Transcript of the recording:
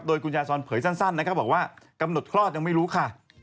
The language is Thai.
โดยคุณยายซอนเผยสั้นนะครับบอกว่ากำหนดคลอดยังไม่รู้ค่ะ